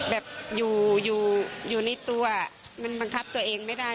แบบอยู่อยู่ในตัวมันบังคับตัวเองไม่ได้